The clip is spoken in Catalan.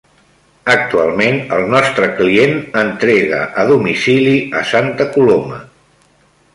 Actualment el nostre client entrega a domicili a Santa Coloma.